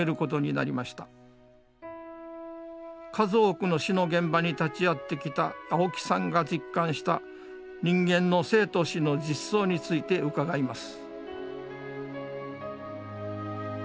数多くの死の現場に立ち会ってきた青木さんが実感した人間の生と死の実相について伺います。